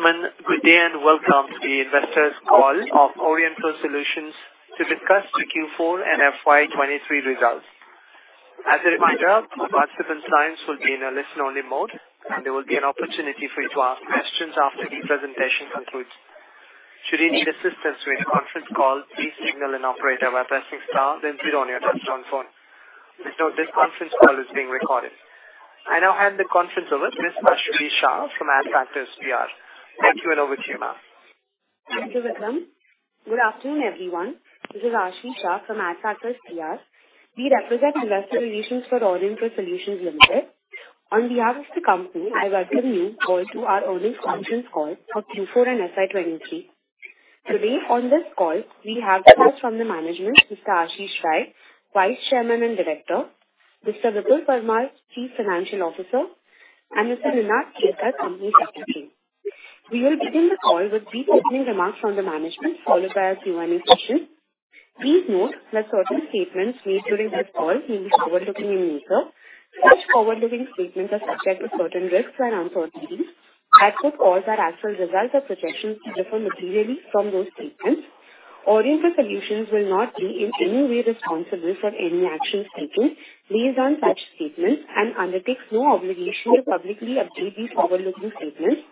Good day and welcome to the investors call of Aurionpro Solutions to discuss the Q4 and FY 2023 results. As a reminder, participants lines will be in a listen-only mode, and there will be an opportunity for you to ask questions after the presentation concludes. Should you need assistance with conference call, please signal an operator by pressing star zero on your touchtone phone. Please note this conference call is being recorded. I now hand the conference over to Ms. Aashvi Shah from Adfactors PR. Thank you, and over to you, ma'am. Thank you, Vikram. Good afternoon, everyone. This is Aashvi Shah from Adfactors PR. We represent investor relations for Aurionpro Solutions Limited. On behalf of the company, I welcome you all to our earnings conference call for Q4 and FY 2023. Today on this call, we have guests from the management, Mr. Ashish Rai, Vice Chairman and Director, Mr. Vipul Parmar, Chief Financial Officer, and Mr. Ninad Kelkar, Company Secretary. We will begin the call with brief opening remarks from the management, followed by a Q&A session. Please note that certain statements made during this call may be forward-looking in nature. Such forward-looking statements are subject to certain risks and uncertainties. Actual calls or actual results or projections could differ materially from those statements. Aurionpro Solutions will not be in any way responsible for any action taken based on such statements and undertakes no obligation to publicly update these forward-looking statements.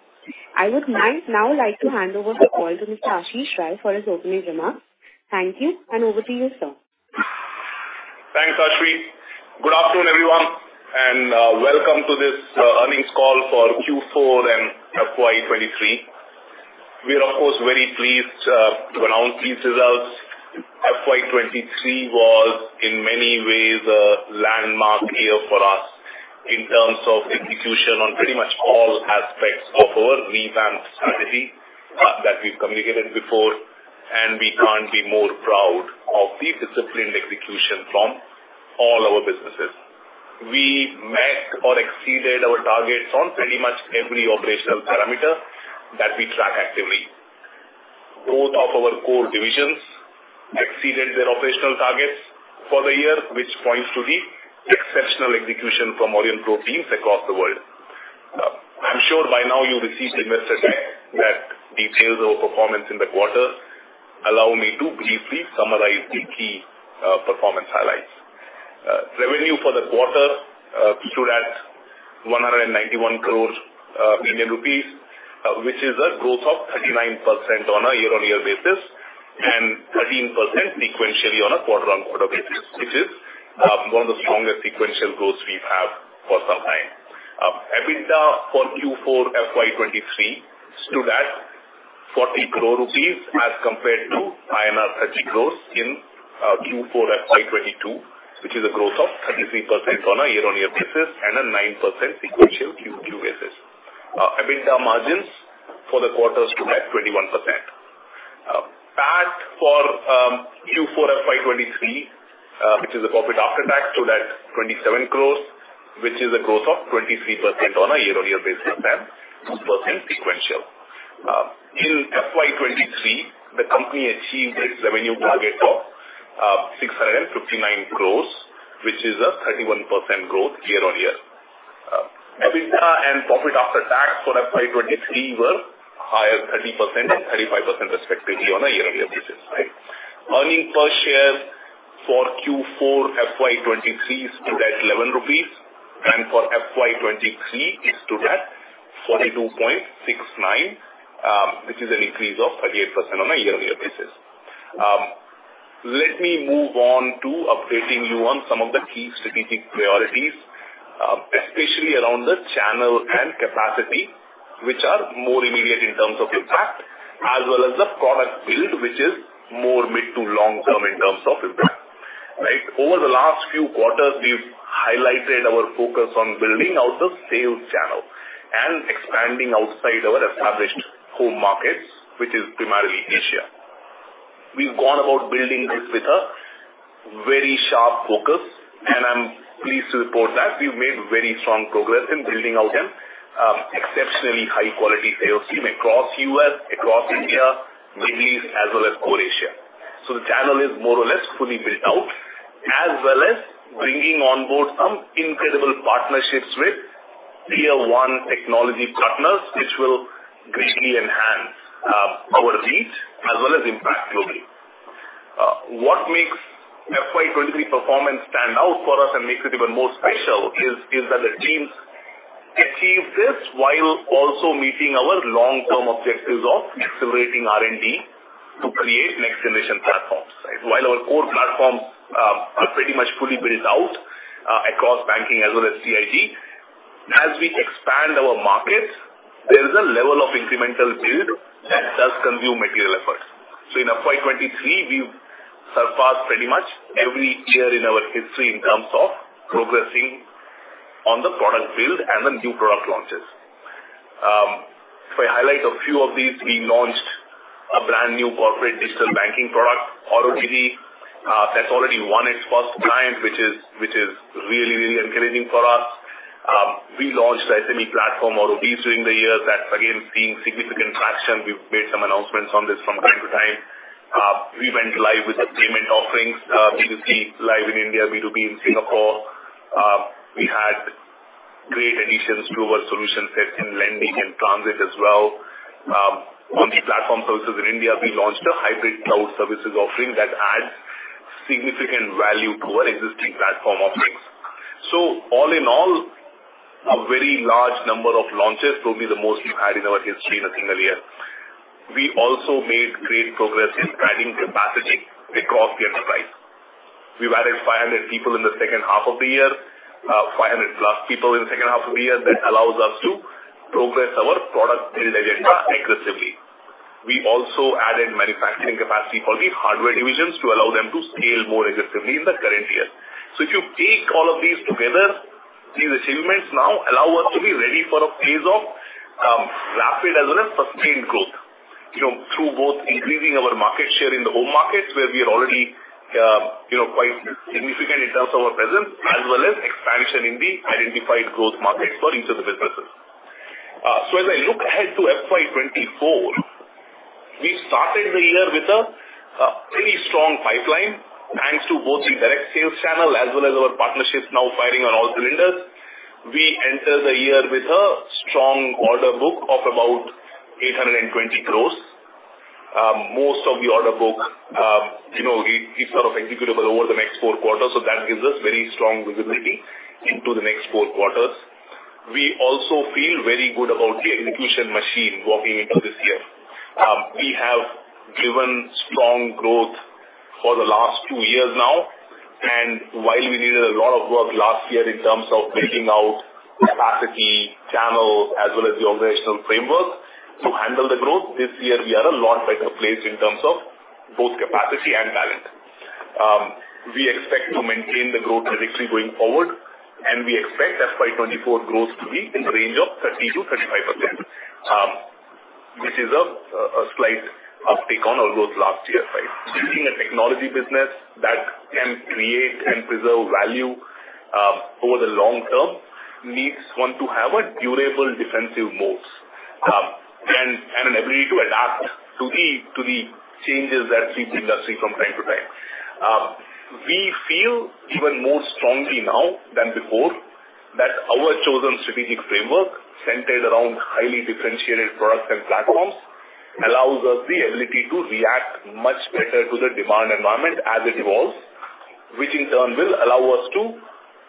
I would now like to hand over the call to Mr. Ashish Rai for his opening remarks. Thank you, and over to you, sir. Thanks, Aashvi. Good afternoon, everyone, welcome to this earnings call for Q4 and FY 2023. We are of course, very pleased to announce these results. FY 2023 was in many ways a landmark year for us in terms of execution on pretty much all aspects of our LEAP strategy that we've communicated before, we can't be more proud of the disciplined execution from all our businesses. We met or exceeded our targets on pretty much every operational parameter that we track actively. Both of our core divisions exceeded their operational targets for the year, which points to the exceptional execution from Aurionpro teams across the world. I'm sure by now you've received investor deck that details our performance in the quarter. Allow me to briefly summarize the key performance highlights. Revenue for the quarter stood at 191 crores, million rupees, which is a growth of 39% on a year-on-year basis and 13% sequentially on a quarter-on-quarter basis, which is one of the strongest sequential growth we've had for some time. EBITDA for Q4 FY23 stood at 40 crore rupees as compared to INR 30 crores in Q4 FY22, which is a growth of 33% on a year-on-year basis and a 9% sequential Q2 basis. EBITDA margins for the quarter stood at 21%. PAT for Q4 FY23, which is the profit after tax, stood at 27 crores, which is a growth of 23% on a year-on-year basis and 2% sequential. In FY 2023, the company achieved its revenue target of 659 crores, which is a 31% growth year-on-year. EBITDA and profit after tax for FY 2023 were higher 30% and 35% respectively on a year-on-year basis. Earning per share for Q4 FY 2023 stood at 11 rupees, and for FY 2023, it stood at 42.69, which is an increase of 38% on a year-on-year basis. Let me move on to updating you on some of the key strategic priorities, especially around the channel and capacity, which are more immediate in terms of impact, as well as the product build, which is more mid to long-term in terms of impact. Over the last few quarters, we've highlighted our focus on building out the sales channel and expanding outside our established home markets, which is primarily Asia. We've gone about building this with a very sharp focus, and I'm pleased to report that we've made very strong progress in building out an exceptionally high-quality sales team across U.S., across India, Middle East, as well as core Asia. The channel is more or less fully built out, as well as bringing on board some incredible partnerships with Tier one technology partners, which will greatly enhance our reach as well as impact globally. What makes FY 2023 performance stand out for us and makes it even more special is that the teams achieved this while also meeting our long-term objectives of accelerating R&D to create next generation platforms. Right? While our core platforms are pretty much fully built out across banking as well as TIG, as we expand our markets, there is a level of incremental build that does consume material efforts. In FY 2023, we surpassed pretty much every year in our history in terms of progressing on the product build and the new product launches. If I highlight a few of these, we launched a brand new corporate digital banking product, AuroDigi, that's already won its first client which is really encouraging for us. We launched the SME platform, Aurobees, during the year. That's again seeing significant traction. We've made some announcements on this from time to time. We went live with the payment offerings, B2C live in India, B2B in Singapore. We had great additions to our solution set in lending and transit as well. On the platform services in India, we launched a hybrid cloud services offering that adds significant value to our existing platform offerings. All in all, a very large number of launches, probably the most we've had in our history in a single year. We also made great progress in adding capacity across the enterprise. We've added 500 people in the second half of the year, 500+ people in the second half of the year. That allows us to progress our product build agenda aggressively. We also added manufacturing capacity for the hardware divisions to allow them to scale more aggressively in the current year. If you take all of these together, these achievements now allow us to be ready for a phase of rapid as well as sustained growth, you know, through both increasing our market share in the home markets where we are already, you know, quite significant in terms of our presence, as well as expansion in the identified growth markets for each of the businesses. As I look ahead to FY 2024, we started the year with a pretty strong pipeline, thanks to both the direct sales channel as well as our partnerships now firing on all cylinders. We enter the year with a strong order book of about 820 crores. Most of the order book, you know, it's sort of executable over the next four quarters, so that gives us very strong visibility into the next four quarters. We also feel very good about the execution machine walking into this year. We have driven strong growth for the last two years now, while we needed a lot of work last year in terms of building out capacity channels as well as the organizational framework to handle the growth, this year we are a lot better placed in terms of both capacity and talent. We expect to maintain the growth trajectory going forward, we expect FY 2024 growth to be in the range of 30%-35%, which is a slight uptick on our growth last year, right? Building a technology business that can create and preserve value over the long term needs one to have durable defensive moats and an ability to adapt to the changes that sweep the industry from time to time. We feel even more strongly now than before that our chosen strategic framework centered around highly differentiated products and platforms allows us the ability to react much better to the demand environment as it evolves, which in turn will allow us to,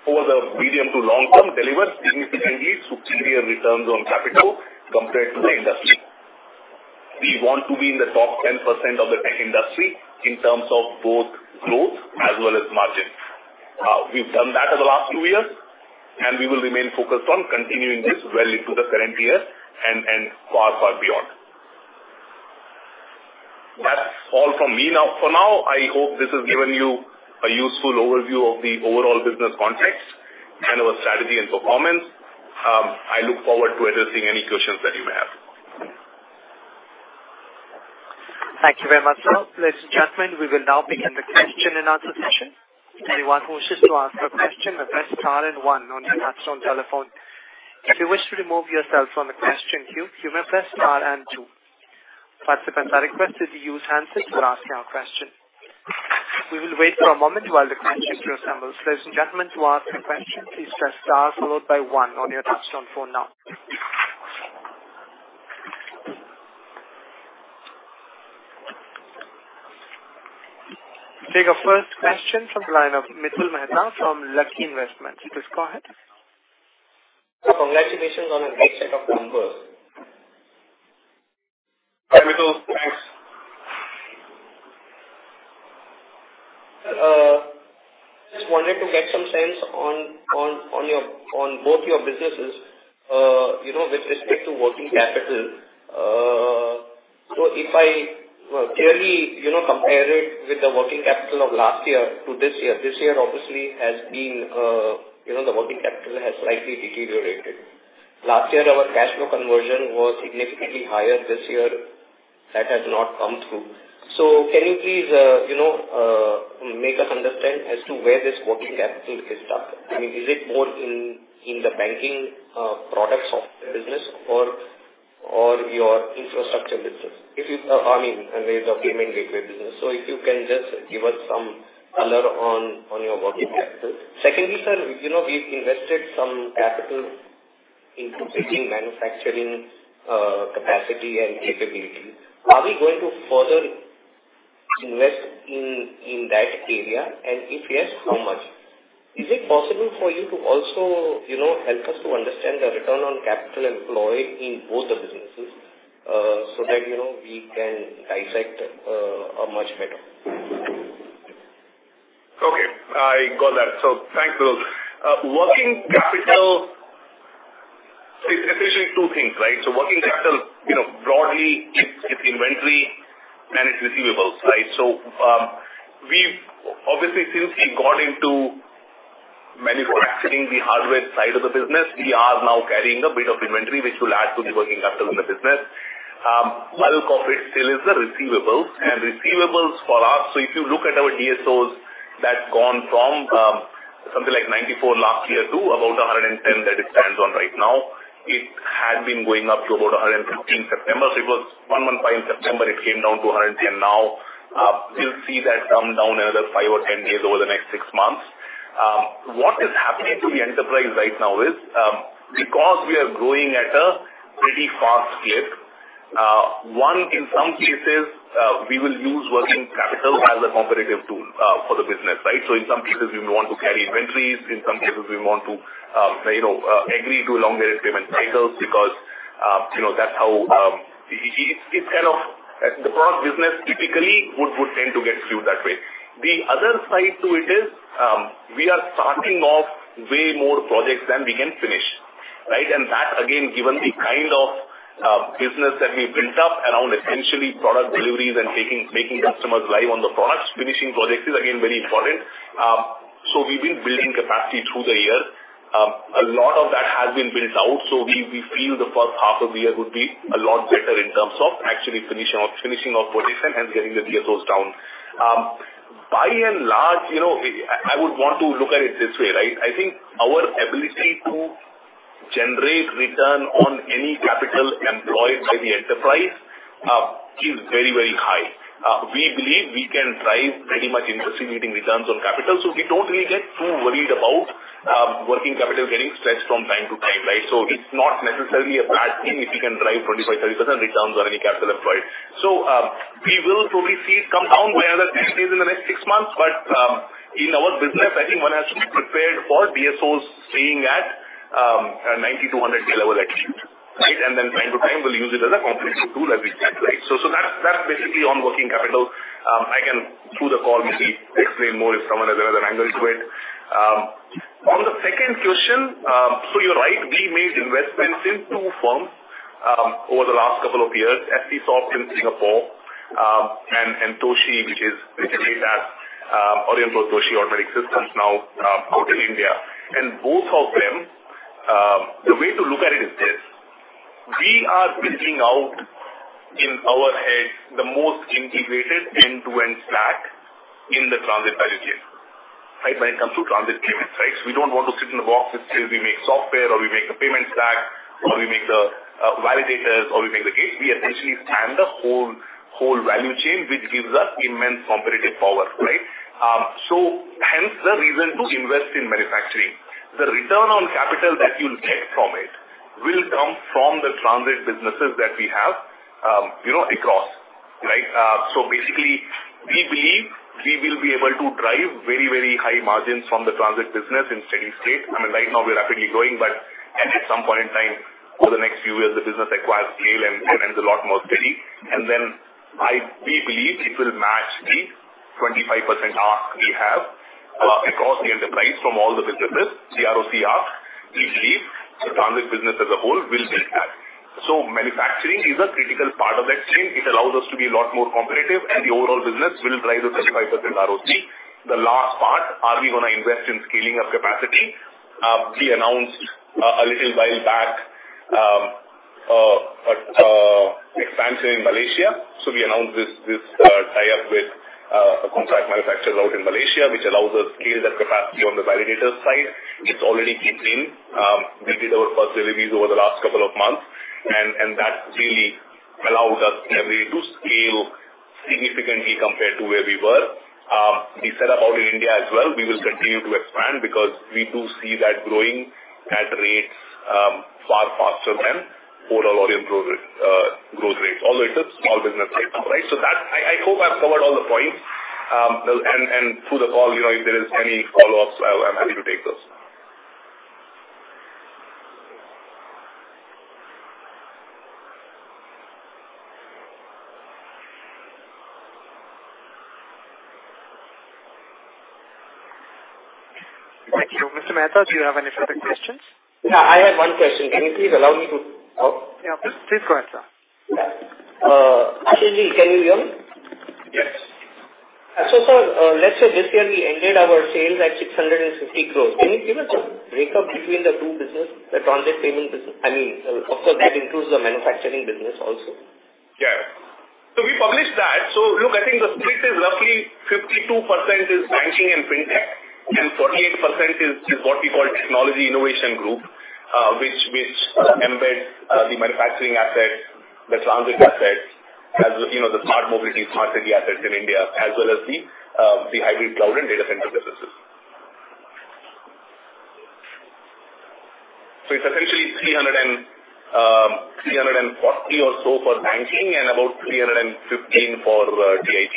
over the medium to long term, deliver significantly superior returns on capital compared to the industry. We want to be in the top 10% of the tech industry in terms of both growth as well as margin. We've done that over the last two years, and we will remain focused on continuing this well into the current year and far, far beyond. That's all from me now. For now, I hope this has given you a useful overview of the overall business context and our strategy and performance. I look forward to addressing any questions that you may have. Thank you very much, sir. Ladies and gentlemen, we will now begin the question and answer session. Anyone who wishes to ask a question, press star and one on your touchtone telephone. If you wish to remove yourself from the question queue, you may press star and two. Participants are requested to use handset for asking a question. We will wait for a moment while the connection reassembles. Ladies and gentlemen, to ask a question, please press star followed by one on your touchtone phone now. We take our first question from the line of Mitul Mehta from Lucky Investments. Please go ahead. Congratulations on a great set of numbers. Hi, Mitul. Thanks. Just wanted to get some sense on both your businesses, you know, with respect to working capital. If I, clearly, you know, compare it with the working capital of last year to this year, this year obviously has been, you know, the working capital has slightly deteriorated. Last year, our cash flow conversion was significantly higher. This year, that has not come through. Can you please, you know, make us understand as to where this working capital is stuck? I mean, is it more in the banking products of the business or your infrastructure business? If you, I mean, and the payment gateway business. If you can just give us some color on your working capital. Secondly, sir, you know, we've invested some capital into building manufacturing capacity and capability. Are we going to further invest in that area? If yes, how much? Is it possible for you to also, you know, help us to understand the return on capital employed in both the businesses? You know, we can dissect much better. Okay. I got that. Thanks, Mitul. working capital is essentially two things, right? working capital, you know, broadly it's inventory and it's receivables, right? we've obviously, since we got into manufacturing the hardware side of the business, we are now carrying a bit of inventory which will add to the working capital in the business. Bulk of it still is the receivables. Receivables for us, if you look at our DSOs, that's gone from something like 94 last year to about 110 that it stands on right now. It had been going up to about 115 in September. It was 115 in September. It came down to 110 now. you'll see that come down another five or 10 days over the next six months. What is happening to the enterprise right now is because we are growing at a pretty fast clip, one, in some cases, we will use working capital as a competitive tool for the business, right? In some cases, we want to carry inventories. In some cases, we want to, you know, agree to longer payment cycles because, you know, that's how it's kind of the product business typically would tend to get skewed that way. The other side to it is we are starting off way more projects than we can finish, right? That again, given the kind of business that we built up around essentially product deliveries and taking, making customers live on the products, finishing projects is again very important. We've been building capacity through the year. A lot of that has been built out. We feel the first half of the year would be a lot better in terms of actually finishing our projects and hence getting the DSOs down. By and large, you know, I would want to look at it this way, right? I think our ability to generate return on any capital employed by the enterprise is very high. We believe we can drive pretty much industry-leading returns on capital. We don't really get too worried about working capital getting stretched from time to time, right? It's not necessarily a bad thing if we can drive 25%-30% returns on any capital employed. We will probably see it come down by another 10 days in the next 6 months. In our business, I think one has to be prepared for DSOs staying at a 90-100 day level at least, right. Then time to time, we'll use it as a competitive tool as we can, right. That's basically on working capital. I can through the call maybe explain more if someone has another angle to it. On the second question, you're right, we made investments in two firms over the last couple of years, SC Soft in Singapore, and Toshi, which is basically that, Aurionpro Toshi already exists now out in India. Both of them, the way to look at it is this. We are building out in our heads the most integrated end-to-end stack in the transit value chain, right. When it comes to transit payments, right, we don't want to sit in a box which says we make software or we make the payment stack or we make the validators or we make the gate. We essentially span the whole value chain, which gives us immense competitive power, right? Hence the reason to invest in manufacturing. The return on capital that you'll get from it will come from the transit businesses that we have, you know, across, right? Basically we believe we will be able to drive very, very high margins from the transit business in steady state. I mean, right now we're rapidly growing, but at some point in time over the next few years, the business acquires scale and is a lot more steady. We believe it will match the 25% ARC we have across the enterprise from all the businesses, CROC ARC. We believe the transit business as a whole will get that. Manufacturing is a critical part of that chain. It allows us to be a lot more competitive and the overall business will drive the 35% ROC. The last part, are we gonna invest in scaling up capacity? We announced a little while back, expansion in Malaysia. We announced this tie-up with a contract manufacturer out in Malaysia, which allows us scale that capacity on the validators side. It's already kicked in. We did our first deliveries over the last couple of months, and that really allowed us the ability to scale significantly compared to where we were. We set up out in India as well. We will continue to expand because we do see that growing at rates far faster than overall Aurionpro growth rates, although it's a small business right now, right? I hope I've covered all the points. Through the call, you know, if there is any follow-ups, I'm happy to take those. Thank you. Mr. Mehta, do you have any further questions? I have one question. Can you please allow me to? Please go ahead, sir. Ashish Rai, can you hear me? Yes. Sir, let's say this year we ended our sales at 650 crores. Can you give us a breakup between the two business, the transit payment business? I mean, of course, that includes the manufacturing business also. We published that. I think the split is roughly 52% is banking and Fintech and 48% is what we call Technology Innovation Group, which embeds the manufacturing assets, the transit assets, as you know, the Smart Mobility, Smart City assets in India, as well as the hybrid cloud and Data Centre Businesses. It's essentially 340 or so for banking and about 315 for TIG.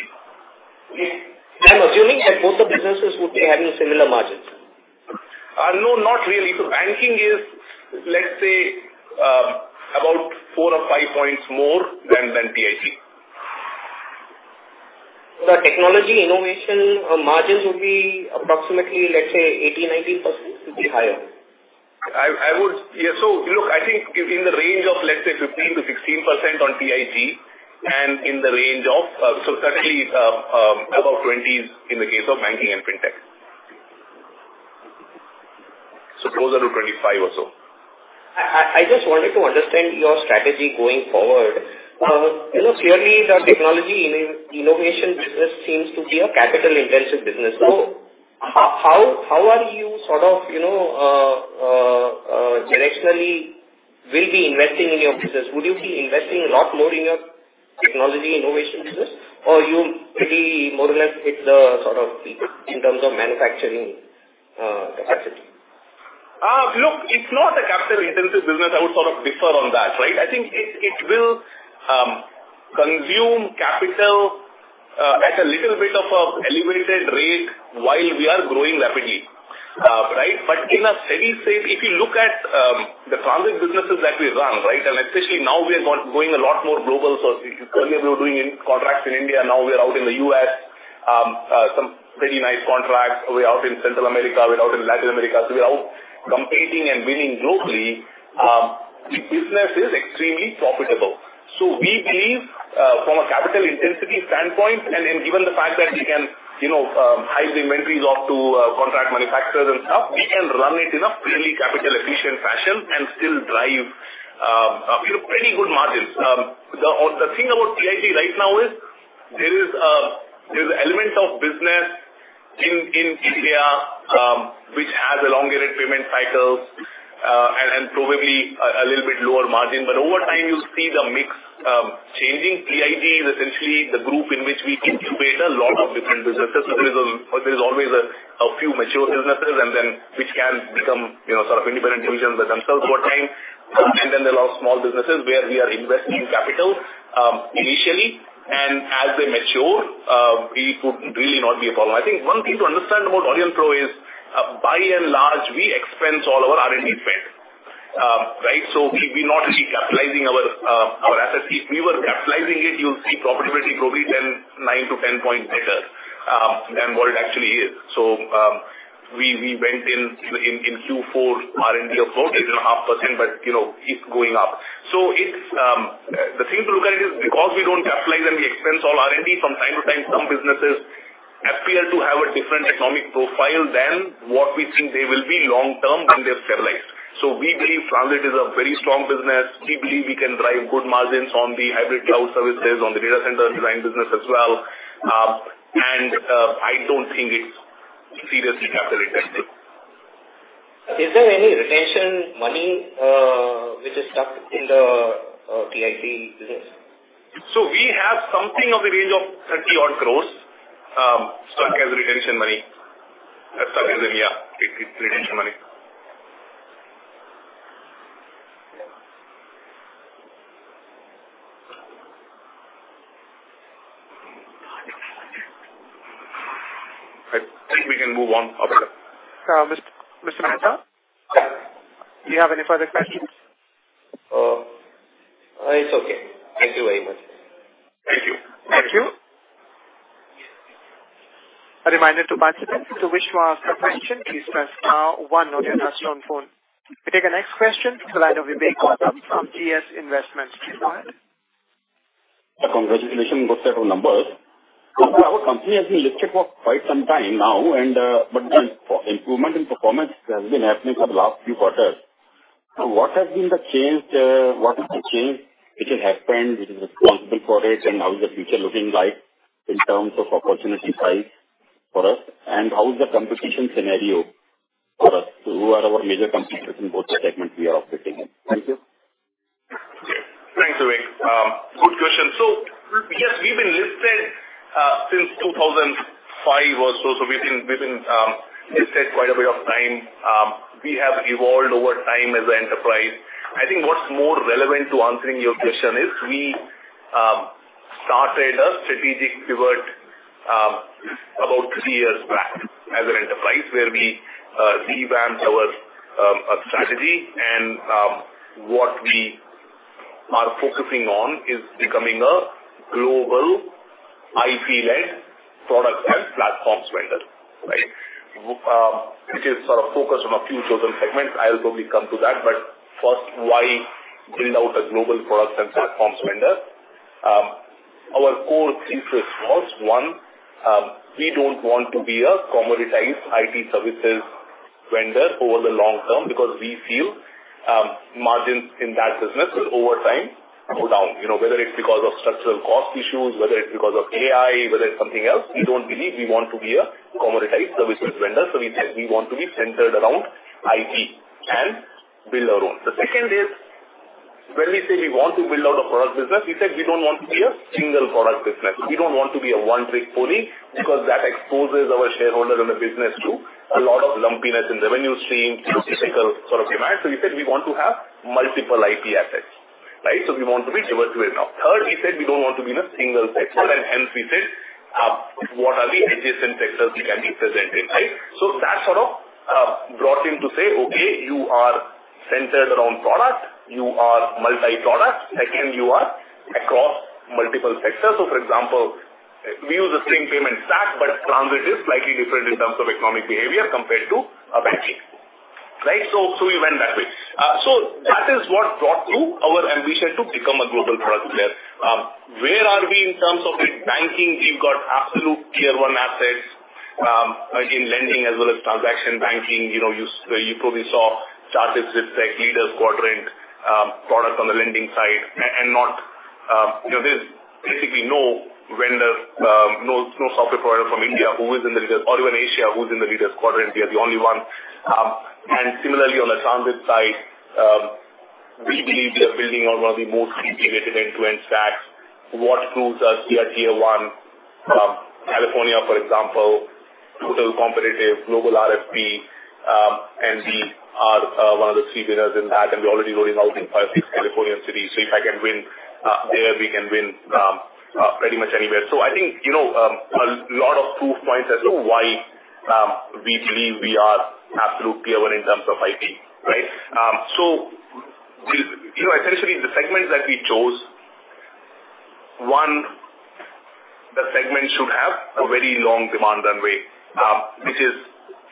I'm assuming that both the businesses would be having similar margins. No, not really. Banking is, let's say, about four or five points more than TIG. The technology innovation margins would be approximately, let's say, 18%-19% to be higher. Yeah. Look, I think in the range of, let's say, 15%-16% on TIG and in the range of, certainly, about 20s in the case of banking and Fintech. Closer to 25 or so. I just wanted to understand your strategy going forward. You know, clearly the technology innovation business seems to be a capital-intensive business. How are you sort of, you know, directionally will be investing in your business? Would you be investing a lot more in your technology innovation business or you pretty more or less hit the sort of peak in terms of manufacturing, capacity? Look, it's not a capital-intensive business. I would sort of differ on that, right? I think it will consume capital at a little bit of an elevated rate while we are growing rapidly. Right. In a steady state, if you look at the transit businesses that we run, right, and especially now we are going a lot more global. If you... Earlier we were doing in contracts in India, now we are out in the U.S., some pretty nice contracts. We're out in Central America, we're out in Latin America. We are out competing and winning globally. The business is extremely profitable. We believe, from a capital intensity standpoint, and in given the fact that we can, you know, hive the inventories off to contract manufacturers and stuff, we can run it in a fairly capital efficient fashion and still drive, you know, pretty good margins. The thing about TIG right now is there is, there's elements of business in India, which has a longer end payment cycles, and probably a little bit lower margin. Over time, you see the mix changing. TIG is essentially the group in which we incubate a lot of different businesses. There's always a few mature businesses and then which can become, you know, sort of independent divisions themselves over time. There are small businesses where we are investing capital initially, and as they mature, we could really not be a problem. I think one thing to understand about Aurionpro is, by and large, we expense all our R&D spend. Right. We're not really capitalizing our assets. If we were capitalizing it, you'll see profitability probably nine-10 percentage points better than what it actually is. We went in, you know, in Q4 R&D of four, 3.5%, but you know, it's going up. It's, the thing to look at it is because we don't capitalize and we expense all R&D from time to time, some businesses appear to have a different economic profile than what we think they will be long term when they're stabilized. We believe transit is a very strong business. We believe we can drive good margins on the hybrid cloud services, on the data center design business as well. I don't think it's seriously capital intensive. Is there any retention money, which is stuck in the TIG business? We have something of the range of 30 odd crores, stuck as a retention money. As stuck as in, yeah, retention money. I think we can move on, Abhinav. Mr. Mehta. Yeah. Do you have any further questions? It's okay. Thank you very much. Thank you. Thank you. A reminder to participants to wish to ask a question, please press star one on your touchtone phone. We take our next question from the line of Vivek Gautam from GS Investment. Please go ahead. Congratulations on those set of numbers. Our company has been listed for quite some time now and, but the improvement in performance has been happening for the last few quarters. What has been the change, what is the change which has happened, which is responsible for it, and how is the future looking like in terms of opportunity size for us? How is the competition scenario for us? Who are our major competitors in both the segments we are operating in? Thank you. Okay. Thanks, Vivek. Good question. Yes, we've been listed since 2005 or so. We've been listed quite a bit of time. We have evolved over time as an enterprise. I think what's more relevant to answering your question is we started a strategic pivot about three years back as an enterprise where we revamped our strategy and what we are focusing on is becoming a global IP-led product and platform vendor. Right? Which is sort of focused on a few chosen segments. I'll probably come to that, first, why build out a global product and platform vendor? Our core interest was, one, we don't want to be a commoditized IT services vendor over the long term because we feel margins in that business will over time go down. You know, whether it's because of structural cost issues, whether it's because of AI, whether it's something else, we don't believe we want to be a commoditized services vendor. We said we want to be centered around IT and build our own. The second is when we say we want to build out a product business, we said we don't want to be a single product business. We don't want to be a one-trick pony because that exposes our shareholder and the business to a lot of lumpiness in revenue stream, you know, cyclical sort of demand. We said we want to have multiple IT assets, right? We want to be diversified. Third, we said we don't want to be in a single sector, hence we said, what are the adjacent sectors we can be present in, right? That sort of brought in to say, Okay, you are centered around product, you are multi-product. Second, you are across multiple sectors. For example, we use the same payment stack, but transit is slightly different in terms of economic behavior compared to banking. Right? We went that way. That is what brought to our ambition to become a global product player. Where are we in terms of it? Banking, we've got absolute Tier one assets in lending as well as transaction banking. You know, you probably saw Chartis with tech leaders quadrant, product on the lending side and not, you know, there's basically no vendor, no software provider from India who is in the leaders or even Asia who's in the leaders quadrant. We are the only one. Similarly on the transit side, we believe we are building one of the most integrated end-to-end stacks. What tools are Tier one? California, for example, total competitive global RFP, and we are one of the three winners in that, and we're already rolling out in five, six California cities. If I can win there, we can win pretty much anywhere. I think, you know, a lot of proof points as to why we believe we are absolutely a winner in terms of IT, right? You know, essentially the segments that we chose, one, the segment should have a very long demand runway, which is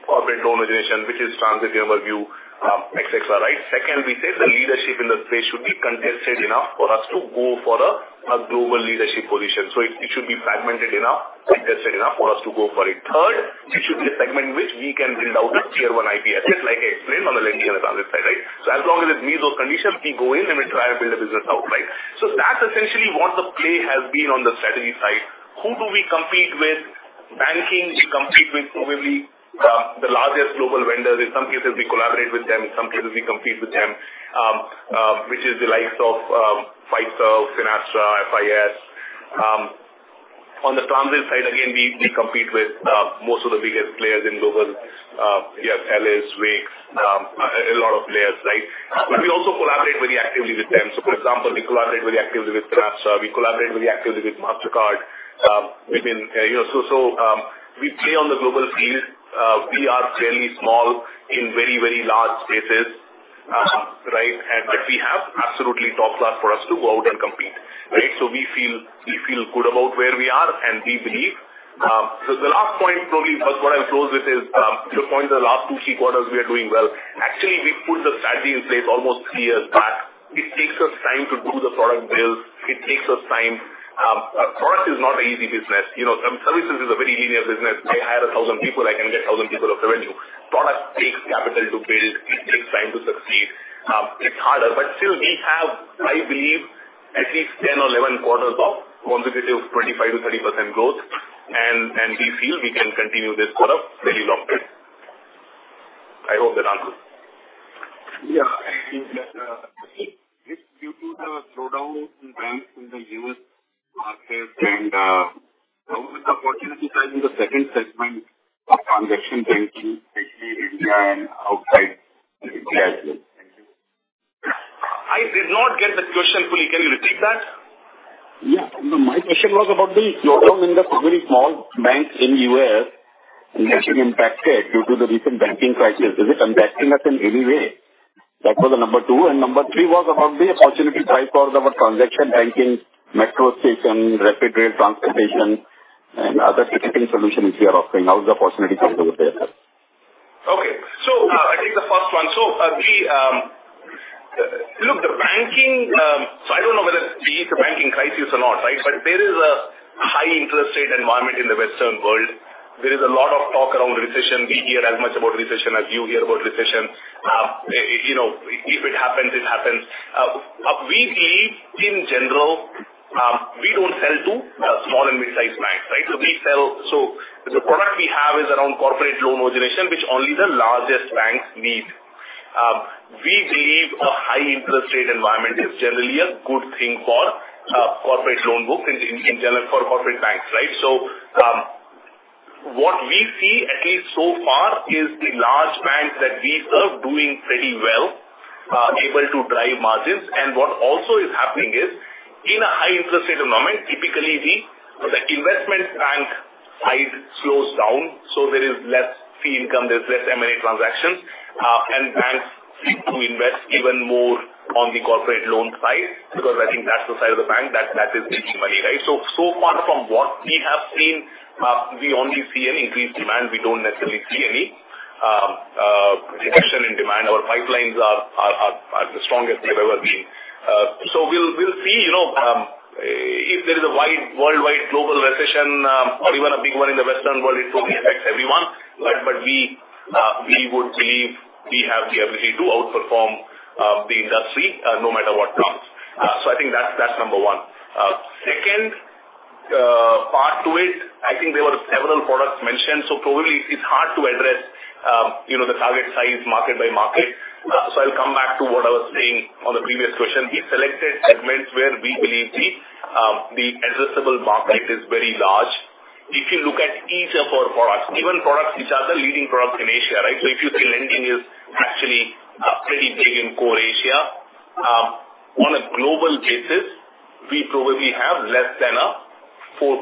corporate loan origination, which is transit, in our view, CLOI. Second, we say the leadership in the space should be contested enough for us to go for a global leadership position. It should be fragmented enough, contested enough for us to go for it. Third, it should be a segment which we can build out a Tier one IP, just like I explained on the lending and the transit side, right? As long as it meets those conditions, we go in and we try and build a business out, right? That's essentially what the play has been on the strategy side. Who do we compete with? Banking, we compete with probably the largest global vendors. In some cases, we collaborate with them. In some cases, we compete with them, which is the likes of Fiserv, Finastra, FIS. On the transit side, again, we compete with most of the biggest players in global, yes, LS, Wix, a lot of players, right? We also collaborate very actively with them. For example, we collaborate very actively with Finastra, we collaborate very actively with Mastercard. We've been, you know. We play on the global field. We are fairly small in very, very large spaces. Right? But we have absolutely top class for us to go out and compete, right? We feel good about where we are and we believe, the last point probably what I'll close with is, you know, point the last two, three quarters we are doing well. Actually, we put the strategy in place almost three years back. It takes us time to do the product build. It takes us time. Product is not an easy business. You know, services is a very linear business. I hire 1,000 people, I can get 1,000 people of revenue. Product takes capital to build. It takes time to succeed. It's harder. Still we have, I believe at least 10 or 11 quarters of consecutive 25%-30% growth. We feel we can continue this for a very long time. I hope that answers. Yeah. Is due to the slowdown in banks in the U.S. markets and how is the opportunity size in the second segment of transaction banking, especially India and outside gradually? Thank you. I did not get the question fully. Can you repeat that? Yeah. No, my question was about the slowdown in the very small banks in U.S. getting impacted due to the recent banking crisis. Is it impacting us in any way? That was number two. Number three was about the opportunity size for our transaction banking, metro station, rapid rail transportation and other ticketing solutions you are offering. How is the opportunity size over there? Okay. I'll take the first one. We look, the banking, I don't know whether we need the banking crisis or not, right? There is a high interest rate environment in the Western world. There is a lot of talk around recession. We hear as much about recession as you hear about recession. You know, if it happens, it happens. We believe in general, we don't sell to small and midsize banks, right? The product we have is around corporate loan origination, which only the largest banks need. We believe a high interest rate environment is generally a good thing for corporate loan books in general for corporate banks, right? What we see at least so far is the large banks that we serve doing pretty well, able to drive margins. What also is happening is in a high interest rate environment, typically the investment bank side slows down, so there is less fee income, there's less M&A transactions, and banks seek to invest even more on the corporate loan side because I think that's the side of the bank that matches making money, right? So far from what we have seen, we only see an increased demand. We don't necessarily see any reduction in demand. Our pipelines are the strongest they've ever been. We'll see, you know, if there is a wide worldwide global recession, or even a big one in the Western World, it probably affects everyone. Right. We, we would believe we have the ability to outperform, the industry, no matter what comes. I think that's number one. Second, part to it, I think there were several products mentioned. Probably it's hard to address, you know, the target size market by market. I'll come back to what I was saying on the previous question. We selected segments where we believe the addressable market is very large. If you look at each of our products, even products which are the leading products in Asia, right? If you say lending is actually, pretty big in core Asia, on a global basis, we probably have less than a 4%-5%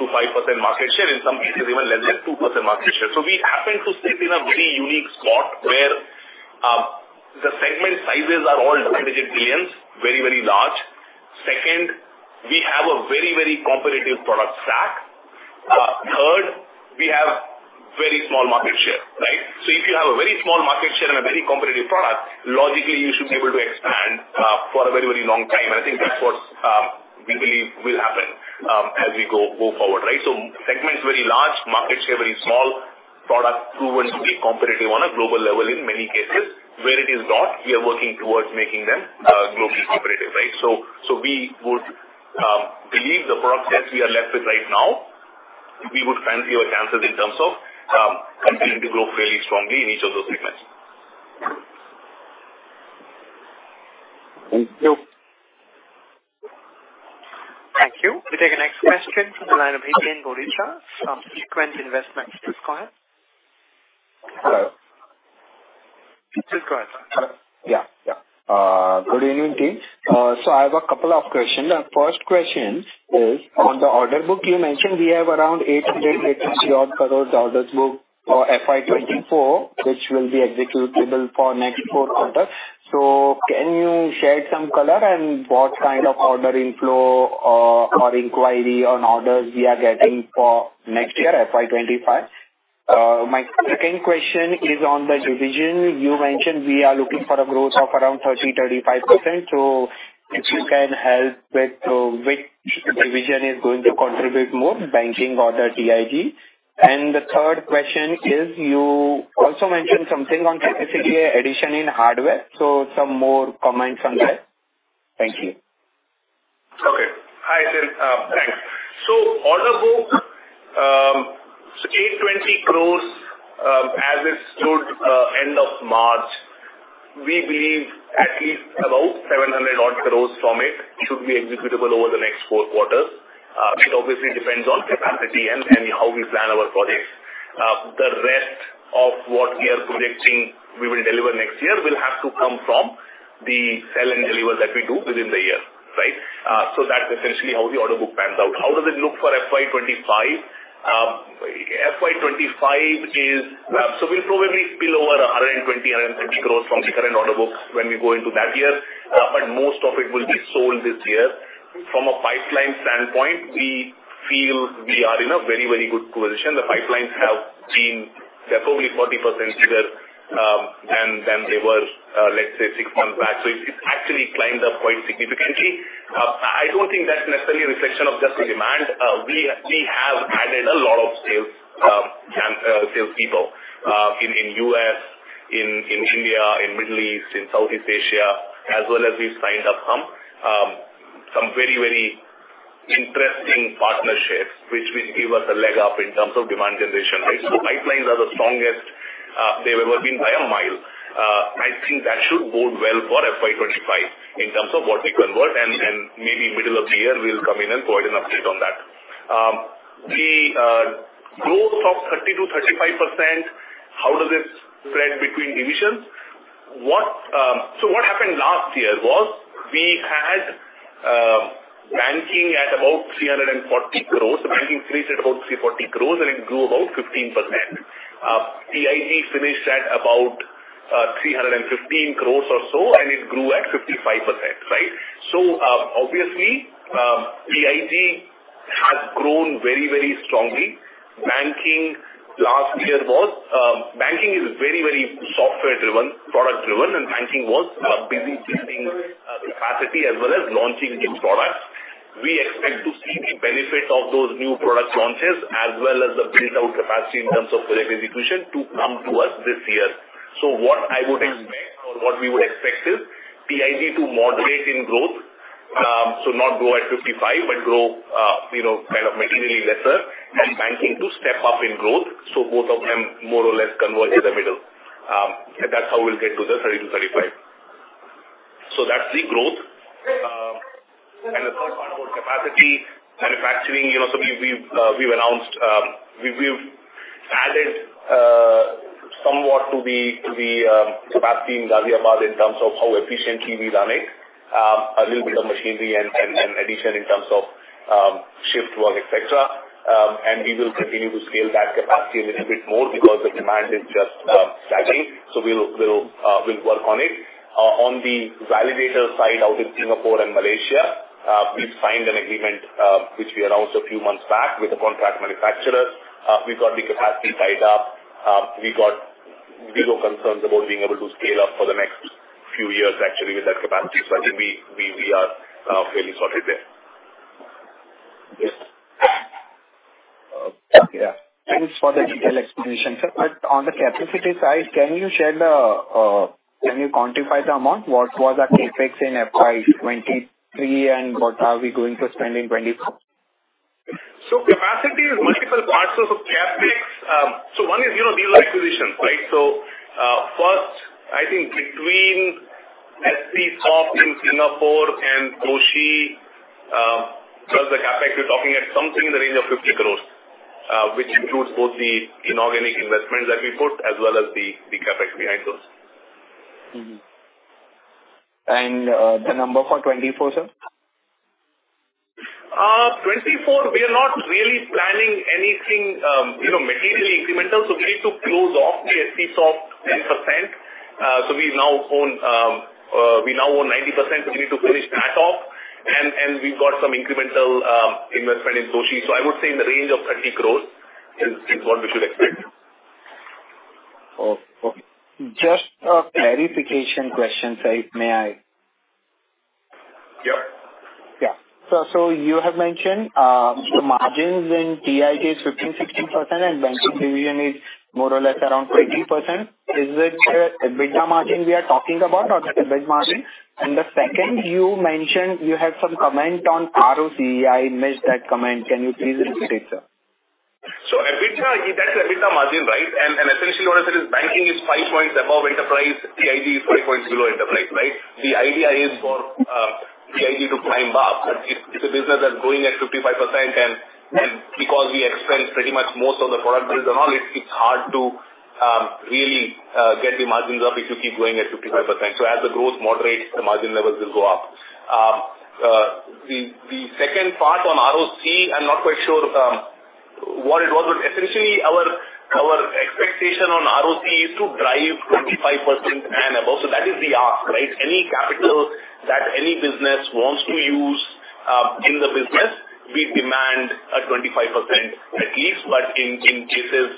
market share, in some cases even less than 2% market share. We happen to sit in a very unique spot where the segment sizes are all double-digit billions, very, very large. Second, we have a very, very competitive product stack. Third, we have very small market share, right? If you have a very small market share and a very competitive product, logically you should be able to expand for a very, very long time. I think that's what we believe will happen as we go forward, right? Segment's very large, market share very small. Product proven to be competitive on a global level in many cases. Where it is not, we are working towards making them globally competitive, right? We would believe the product sets we are left with right now, we would fancy our chances in terms of continuing to grow fairly strongly in each of those segments. Thank you. Thank you. We take the next question from the line of Hiten Boricha from Sequent Investment Trust. Go ahead. Hello. Please go ahead, sir. Hello. Yeah, yeah. Good evening, team. I have a couple of questions. The first question is on the order book you mentioned we have around 880 odd crores orders book for FY 2024, which will be executable for next four quarters. Can you shed some color on what kind of order inflow or inquiry on orders we are getting for next year, FY 2025? My second question is on the division. You mentioned we are looking for a growth of around 30%-35%. If you can help with which division is going to contribute more, banking or the TIG. The third question is you also mentioned something on capacity addition in hardware, so some more comments on that. Thank you. Okay. Hi, Hiten. Thanks. Order book, 820 crores, as it stood end of March. We believe at least about 700 crores from it should be executable over the next fourth quarters. It obviously depends on capacity and how we plan our projects. The rest of what we are projecting we will deliver next year will have to come from the sell and deliver that we do within the year, right? That's essentially how the order book pans out. How does it look for FY 2025? FY 2025 is, we're probably still over 120 crores, 110 crores from the current order books when we go into that year. Most of it will be sold this year. From a pipeline standpoint, we feel we are in a very, very good position. The pipelines have been, they're probably 40% bigger than they were, let's say six months back. It's actually climbed up quite significantly. I don't think that's necessarily a reflection of just the demand. We have added a lot of sales salespeople in U.S., in India, in Middle East, in Southeast Asia, as well as we've signed up some very, very interesting partnerships which will give us a leg up in terms of demand generation, right? Pipelines are the strongest they've ever been by a mile. I think that should bode well for FY 2025 in terms of what we convert and maybe middle of the year we'll come in and provide an update on that. The growth of 30%-35%, how does it spread between divisions? What happened last year was we had banking at about 340 crores. The banking finished at about 340 crores, and it grew about 15%. TIG finished at about 315 crores or so, and it grew at 55%, right? Obviously, TIG has grown very, very strongly. Banking is very, very software driven, product driven, and banking was busy testing capacity as well as launching new products. We expect to see the benefits of those new product launches as well as the build out capacity in terms of direct execution to come to us this year. What I would expect or what we would expect is TIG to moderate in growth, not grow at 55, but grow, you know, kind of materially lesser and banking to step up in growth. Both of them more or less converge in the middle. That's how we'll get to the 30%-35%. That's the growth. The third part about capacity, manufacturing, you know, we've announced, we've added somewhat to the capacity in Ghaziabad in terms of how efficiently we run it, a little bit of machinery and addition in terms of shift work, et cetera. We will continue to scale that capacity a little bit more because the demand is just staggering. We'll work on it. On the validator side out in Singapore and Malaysia, we've signed an agreement, which we announced a few months back with the contract manufacturers. We've got the capacity tied up. We've got zero concerns about being able to scale up for the next few years actually with that capacity. I think we are fairly sorted there. Yes. Yeah. Thanks for the detailed explanation, sir. On the capacity side, can you share the, can you quantify the amount? What was our CapEx in FY 2023 and what are we going to spend in 2024? Capacity is multiple parts of CapEx. One is, you know, deal acquisition, right? First I think between SC Soft in Singapore and Toshi, plus the CapEx, we're talking at something in the range of 50 crores, which includes both the inorganic investment that we put as well as the CapEx behind those. Mm-hmm. The number for 2024, sir? 2024 we are not really planning anything, you know, materially incremental. We need to close off the SC Soft 10%. We now own 90%, so we need to finish that off. We've got some incremental investment in Toshi. I would say in the range of 30 crores is what we should expect. Okay. Just a clarification question, sir. May I? Yeah. You have mentioned the margins in TIG is 15%-16% and banking division is more or less around 20%. Is it EBITDA margin we are talking about or is it EBIT margin? The second you mentioned you had some comment on ROCE. I missed that comment. Can you please repeat it, sir? EBITDA, that's EBITDA margin, right? Essentially what I said is banking is five points above enterprise. TIG is five points below enterprise, right? The idea is for TIG to climb up. It's a business that's growing at 55%. Because we expense pretty much most of the product base and all, it's hard to really get the margins up if you keep growing at 55%. As the growth moderates, the margin levels will go up. The second part on ROC, I'm not quite sure what it was, but essentially our expectation on ROC is to drive 25% and above. That is the ask, right? Any capital that any business wants to use in the business, we demand a 25% at least. In cases,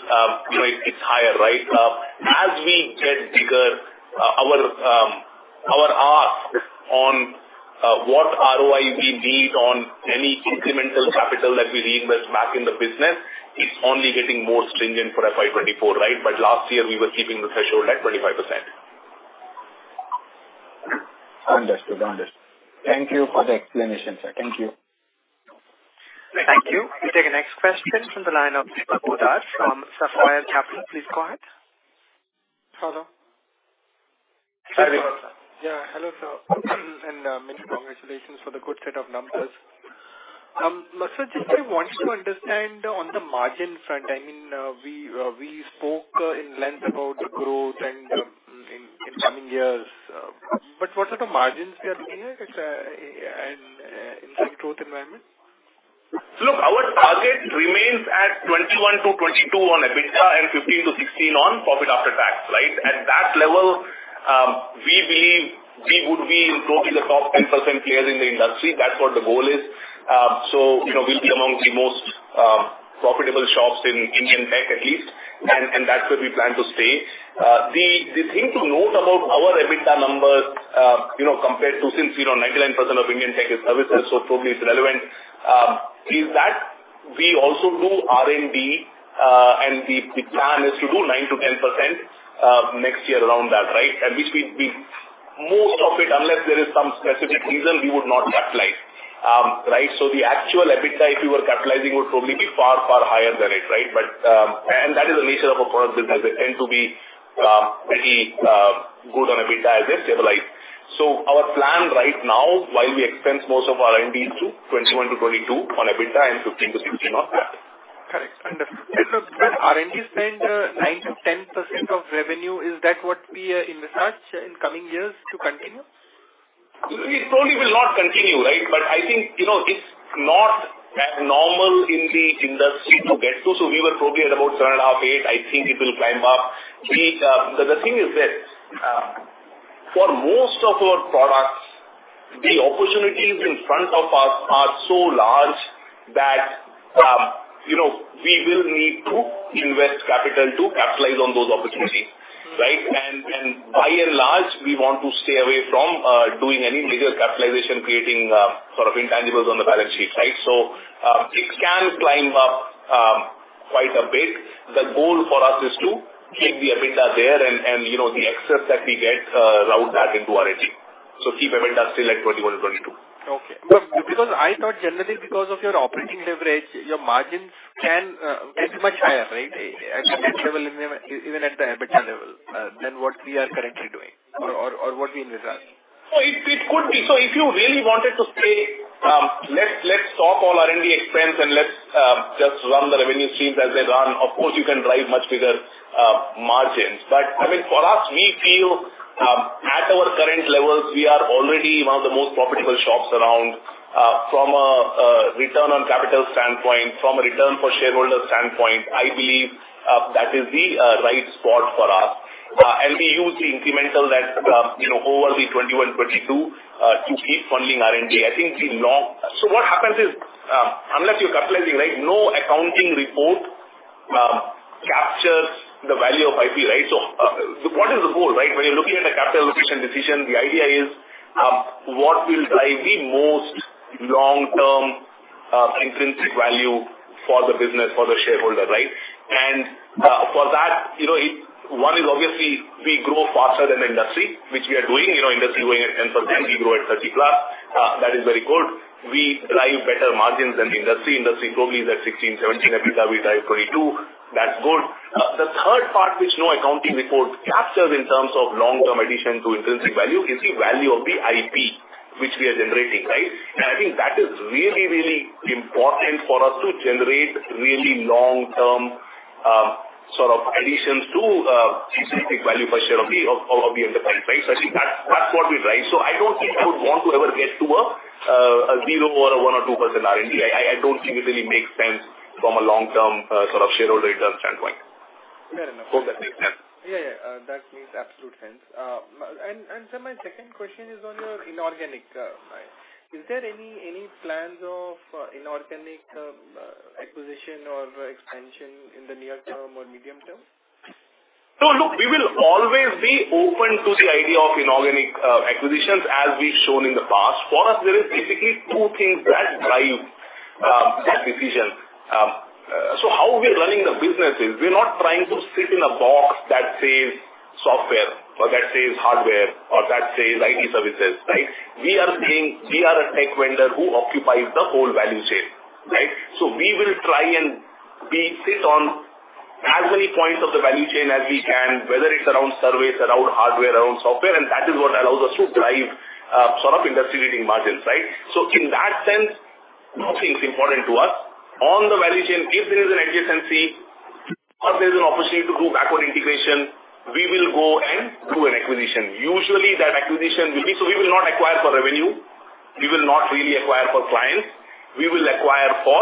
you know, it's higher, right. As we get bigger, our ask on what ROI we need on any incremental capital that we reinvest back in the business, it's only getting more stringent for FY 2024, right. Last year we were keeping the threshold at 25%. Understood. Understood. Thank you for the explanation, sir. Thank you. Thank you. We'll take the next question from the line of Deepak Poddar from Sapphire Capital. Please go ahead. Hello. Hi, Deepak. Hello, sir, many congratulations for the good set of numbers. Sir, just I want to understand on the margin front, I mean, we spoke in length about growth and in coming years, what sort of margins we are looking at in this growth environment? Look, our target remains at 21%-22% on EBITDA and 15%-16% on profit after tax, right. At that level, we believe we would be probably the top 10% player in the industry. That's what the goal is. You know, we'll be among the most profitable shops in Indian tech at least. That's where we plan to stay. The thing to note about our EBITDA numbers, you know, compared to since, you know, 99% of Indian tech is services, so probably it's relevant, is that we also do R&D, the plan is to do 9%-10% next year around that, right. Which we most of it, unless there is some specific reason we would not capitalize. Right. The actual EBITDA, if you were capitalizing, would probably be far, far higher than it, right? That is the nature of a product business. They tend to be pretty good on EBITDA as they stabilize. Our plan right now, while we expense most of our R&D is to 21%-22% on EBITDA and 15%-16% on PAT. Correct. Understood. R&D spend, 9%-10% of revenue. Is that what we are in research in coming years to continue? It probably will not continue, right? I think, you know, it's not abnormal in the industry to get to. We were probably at about seven and a half, eight. I think it will climb up. The thing is that, for most of our products, the opportunities in front of us are so large that, you know, we will need to invest capital to capitalize on those opportunities, right? By and large, we want to stay away from doing any major capitalization creating sort of intangibles on the balance sheet, right? It can climb up quite a bit. The goal for us is to keep the EBITDA there and, you know, the excess that we get, route that into R&D. Keep EBITDA still at 21%-22%. Okay. Because I thought generally because of your operating leverage, your margins can be much higher, right? At some level, even at the EBITDA level, than what we are currently doing or what we envisage. It could be. If you really wanted to say, let's stop all R&D expense and let's just run the revenue streams as they run, of course you can drive much bigger margins. I mean, for us, we feel at our current levels, we are already one of the most profitable shops around, from a return on capital standpoint, from a return for shareholder standpoint, I believe that is the right spot for us. And we use the incremental that, you know, over the 21, 22, to keep funding R&D. What happens is, unless you're capitalizing, right, no accounting report captures the value of IP, right? What is the goal, right? When you're looking at a capital allocation decision, the idea is, what will drive the most long-term intrinsic value for the business, for the shareholder, right? For that, you know, one is obviously we grow faster than the industry, which we are doing. You know, industry growing at 10%, we grow at 30+. That is very good. We drive better margins than the industry. Industry probably is at 16%-17% EBITDA. We drive 22%. That's good. The third part, which no accounting report captures in terms of long-term addition to intrinsic value is the value of the IP which we are generating, right? I think that is really important for us to generate really long-term sort of additions to intrinsic value per share of the enterprise, right? I think that's what we drive. I don't think I would want to ever get to a 0% or a 1% or 2% R&D. I don't think it really makes sense from a long-term sort of shareholder return standpoint. Fair enough. Hope that makes sense. Yeah, yeah. That makes absolute sense. My second question is on your inorganic. Is there any plans of inorganic acquisition or expansion in the near term or medium term? Look, we will always be open to the idea of inorganic acquisitions as we've shown in the past. For us, there is basically two things that drive that decision. How we're running the business is we're not trying to sit in a box that says software or that says hardware or that says IT services, right? We are saying we are a tech vendor who occupies the whole value chain, right? We will try and be fit on as many points of the value chain as we can, whether it's around service, around hardware, around software, and that is what allows us to drive sort of industry-leading margins, right? In that sense, nothing's important to us. On the value chain, if there is an adjacency or there's an opportunity to do backward integration, we will go and do an acquisition. Usually, that acquisition will be. We will not acquire for revenue, we will not really acquire for clients. We will acquire for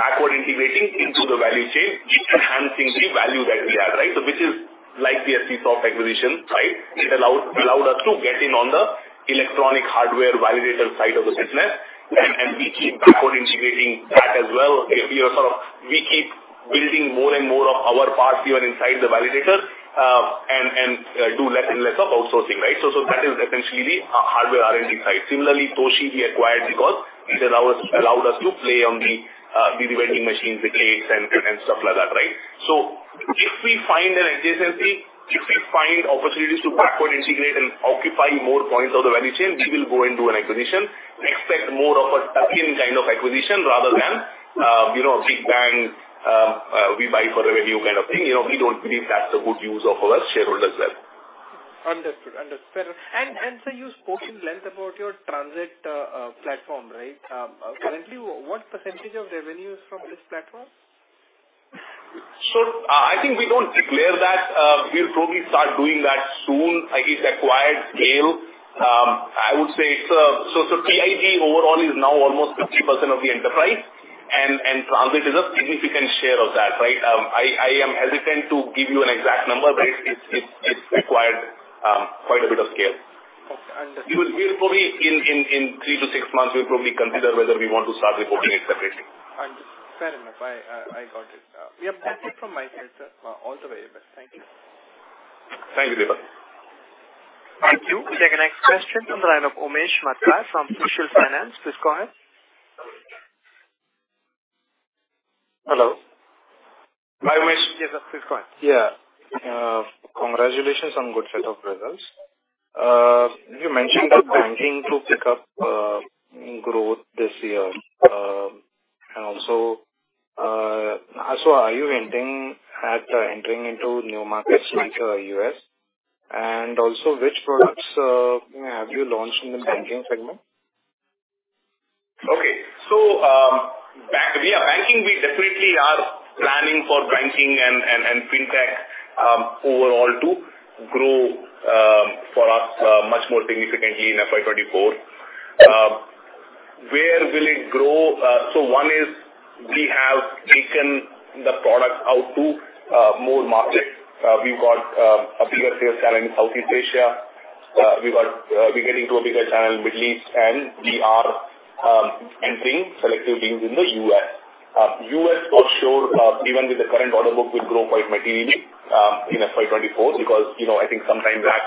backward integrating into the value chain, enhancing the value that we add, right? Which is like the SC Soft acquisition, right? It allowed us to get in on the electronic hardware validator side of the business, and we keep backward integrating that as well. We keep building more and more of our parts even inside the validators, and do less and less of outsourcing, right? That is essentially the hardware R&D side. Similarly, Toshi Automatic Systems acquired because it allowed us to play on the vending machines, the Kiosks and stuff like that, right? If we find an adjacency, if we find opportunities to backward integrate and occupy more points of the value chain, we will go and do an acquisition. Expect more of a akin kind of acquisition rather than, you know, big bang, we buy for revenue kind of thing. You know, we don't believe that's a good use of our shareholders' wealth. Understood. Understood. Sir, you spoke in length about your transit platform, right? Currently, what % of revenue is from this platform? I think we don't declare that. We'll probably start doing that soon. I think it's acquired scale. I would say it's So TIG overall is now almost 50% of the enterprise and transit is a significant share of that, right? I am hesitant to give you an exact number, but it's acquired quite a bit of scale. Okay. Understood. We will probably in three to six months, we'll probably consider whether we want to start reporting it separately. Understood. Fair enough. I got it. Yeah, that's it from my side, sir. All the very best. Thank you. Thank you, Deepak. Thank you. We'll take our next question from the line of Umesh Matkar from Sushil Finance. Please go ahead. Hello. Hi, Umesh. Yes, sir. Please go ahead. Yeah. Congratulations on good set of results. You mentioned the banking to pick up growth this year. Also, are you entering into new markets like U.S.? Also, which products have you launched in the banking segment? Okay. Back, yeah, banking, we definitely are planning for banking and Fintech overall to grow for us much more significantly in FY 2024. Where will it grow? One is we have taken the product out to more markets. We've got a bigger sales channel in Southeast Asia. We've got, we're getting to a bigger channel in Middle East, and we are entering selective deals in the U.S. U.S. for sure, even with the current order book, will grow quite materially in FY 2024 because, you know, I think sometime back,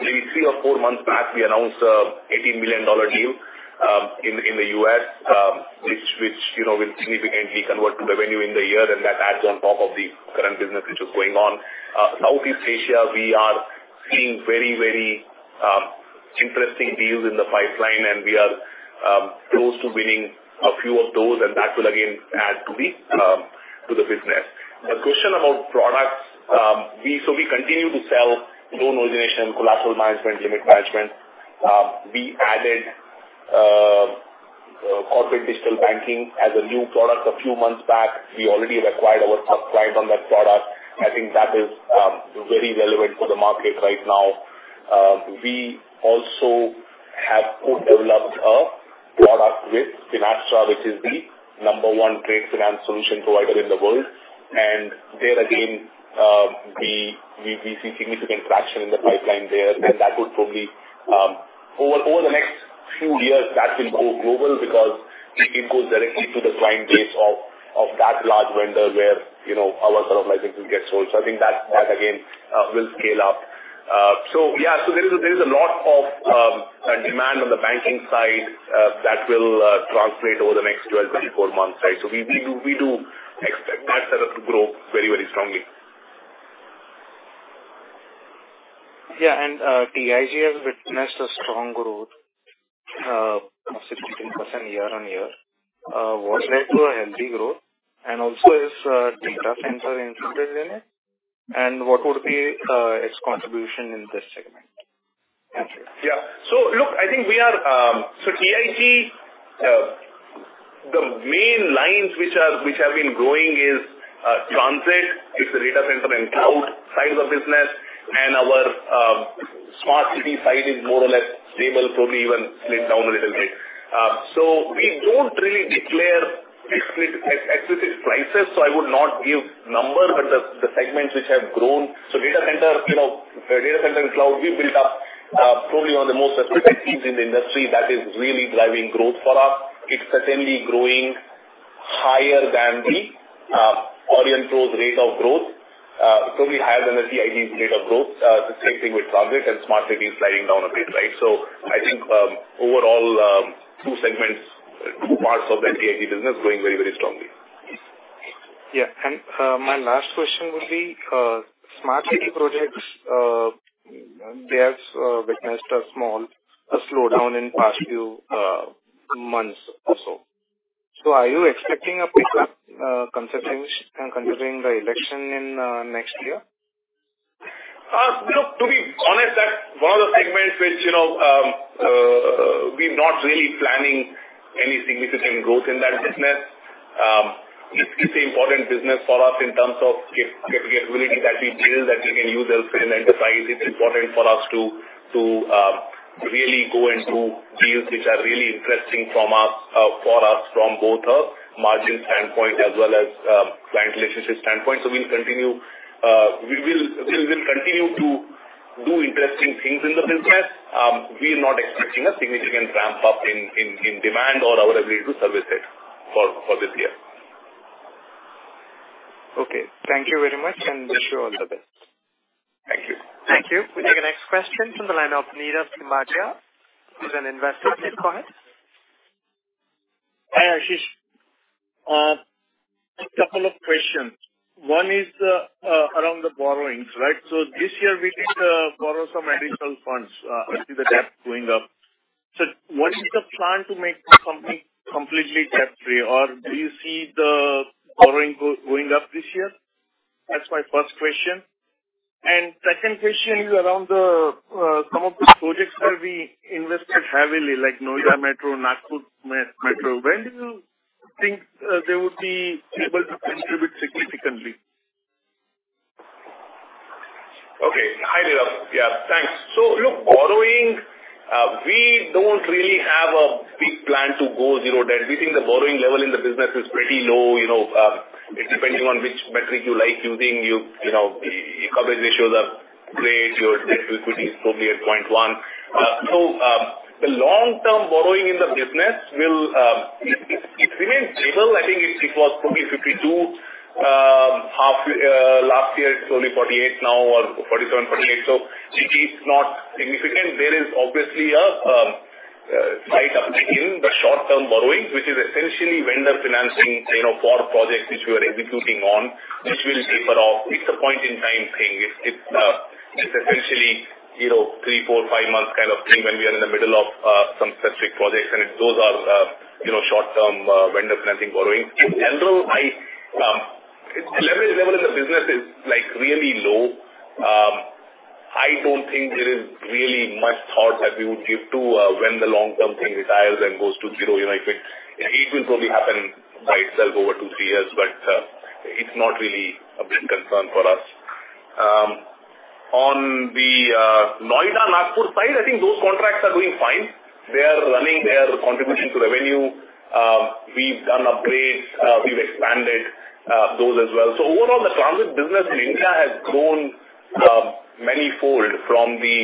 three or four months back, we announced a $80 million deal in the U.S., which, you know, will significantly convert to revenue in the year and that adds on top of the current business which is going on. Southeast Asia, we are seeing very interesting deals in the pipeline, and we are close to winning a few of those, and that will again add to the business. The question about products, we continue to sell loan origination, collateral management, limit management. We added corporate digital banking as a new product a few months back. We already acquired our first client on that product. I think that is very relevant for the market right now. We also have co-developed a product with Finastra, which is the number one trade finance solution provider in the world. There again, we see significant traction in the pipeline there. That would probably, over the next few years, that will go global because it goes directly to the client base of that large vendor where, you know, our sort of licensing gets sold. I think that again will scale up. There is a lot of demand on the banking side that will translate over the next 12, 24 months, right? We do expect that setup to grow very strongly. Yeah. TIG has witnessed a strong growth of 16% year-on-year. What led to a healthy growth? Also is data center included in it? What would be its contribution in this segment? Yeah. Look, I think we are. TIG, the main lines which are, which have been growing is transit. It's the data center and cloud side of the business. And our smart city side is more or less stable, probably even slid down a little bit. We don't really declare explicit exit prices, so I would not give numbers. But the segments which have grown, so data center, you know, data center and cloud, we built up probably one of the most effective teams in the industry that is really driving growth for us. It's certainly growing higher than the Aurionpro's rate of growth. It's probably higher than the TIG rate of growth. The same thing with TIG and Smart City sliding down a bit, right? I think, overall, two segments, two parts of the FTI business going very strongly. Yeah. My last question would be, Smart City projects, they have witnessed a small slowdown in past few months or so. Are you expecting a pickup, considering the election in next year? You know, to be honest, that one of the segments which, you know, we're not really planning any significant growth in that business. It's important business for us in terms of capability that we build, that we can use elsewhere in enterprise. It's important for us to really go and do deals which are really interesting from us, for us from both a margin standpoint as well as, client relationship standpoint. We'll continue, we will continue to do interesting things in the business. We are not expecting a significant ramp-up in demand or our ability to service it for this year. Okay. Thank you very much, and wish you all the best. Thank you. Thank you. We take the next question from the line of Neeraj Kumaria. He's an investor. Please go ahead. Hi, Ashish. A couple of questions. One is around the borrowings, right? This year we need to borrow some additional funds to the debt going up. What is the plan to make the company completely debt-free? Do you see the borrowing going up this year? That's my first question. Second question is around the some of the projects that we invested heavily, like Noida Metro, Nagpur Metro. When do you think they would be able to contribute significantly? Hi, Neeraj. Yeah, thanks. Look, borrowing, we don't really have a big plan to go zero debt. We think the borrowing level in the business is pretty low. You know, depending on which metric you like using, you know, e-coverage ratios are great. Your debt to equity is probably at zero point one. The long-term borrowing in the business will, it remains stable. I think it was probably 52, half, last year. It's only 48 now or 47, 48. It is not significant. There is obviously a slight uptick in the short-term borrowing, which is essentially vendor financing, you know, for projects which we are executing on, which will taper off. It's a point in time thing. It's essentially, you know, three, four, five months kind of thing when we are in the middle of some specific projects, and those are, you know, short-term vendor financing borrowing. In general, I, it's the leverage level in the business is, like, really low. I don't think there is really much thought that we would give to when the long-term thing retires and goes to zero. You know, it will probably happen by itself over two, three years. It's not really a big concern for us. On the Noida Nagpur side, I think those contracts are doing fine. They are running their contribution to revenue. We've done upgrades, we've expanded those as well. Overall, the transit business in India has grown manyfold from the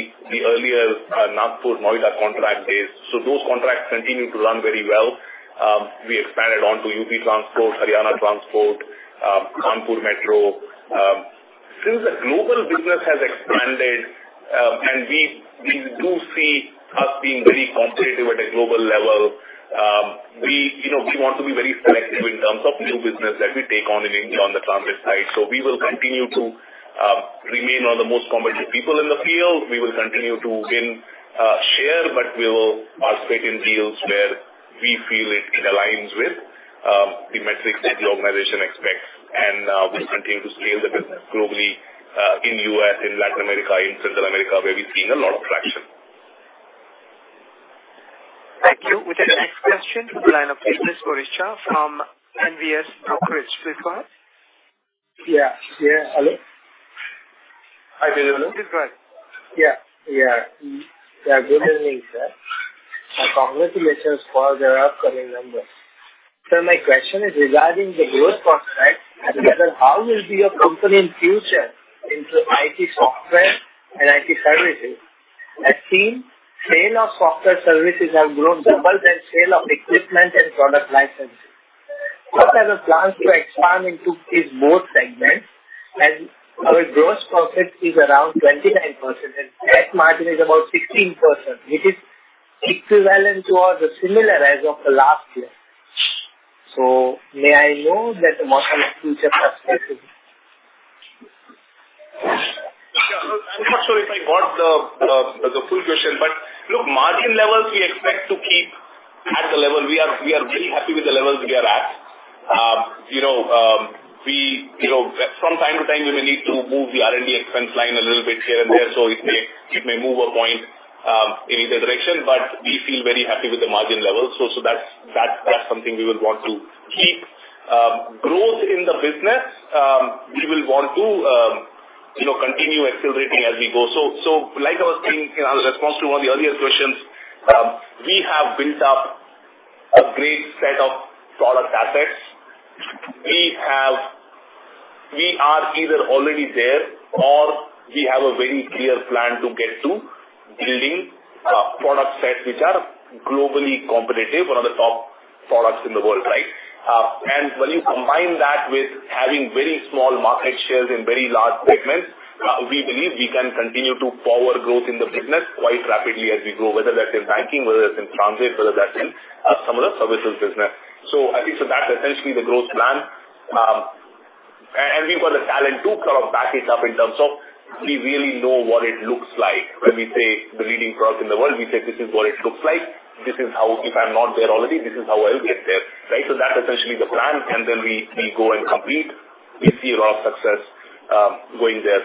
earlier Nagpur Noida contract days. Those contracts continue to run very well. We expanded on to UP Transport, Haryana Transport, Kanpur Metro. Since the global business has expanded, and we do see us being very competitive at a global level, we, you know, we want to be very selective in terms of new business that we take on in India on the transit side. We will continue to remain one of the most competitive people in the field. We will continue to win share, but we will participate in deals where we feel it aligns with the metrics that the organization expects. We'll continue to scale the business globally, in U.S., in Latin America, in Central America, where we've seen a lot of traction. Thank you. We take the next question from the line of Vishnu Sorisha from NVS Brokerage. Please go ahead. Yeah. Yeah. Hello? Hi, Vishnu. Please go ahead. Yeah. Yeah. Yeah, good evening, sir. My congratulations for your upcoming numbers. Sir, my question is regarding the growth prospects and how will be your company in future into IT software and IT services? I've seen sale of software services have grown double than sale of equipment and product licenses. What are the plans to expand into these both segments? Our gross profit is around 29% and tax margin is about 16%, which is equivalent to or similar as of the last year. May I know that what are the future prospects will be? Yeah. I'm not sure if I got the full question, look, margin levels we expect to keep at the level we are very happy with the levels we are at. You know, we, you know, from time to time, we may need to move the R&D expense line a little bit here and there, so it may move a point in either direction, but we feel very happy with the margin levels. That's, that's something we will want to keep. Growth in the business, we will want to, you know, continue accelerating as we go. Like I was saying in our response to one of the earlier questions, we have built up a great set of product assets. We are either already there or we have a very clear plan to get to building product sets which are globally competitive, one of the top products in the world, right? When you combine that with having very small market shares in very large segments, we believe we can continue to power growth in the business quite rapidly as we grow, whether that's in banking, whether that's in transit, whether that's in some of the services business. I think that's essentially the growth plan. We've got the talent to kind of back it up in terms of we really know what it looks like. When we say the leading product in the world, we say this is what it looks like. This is how. If I'm not there already, this is how I'll get there. Right? That's essentially the plan, and then we go and compete. We see a lot of success, going there.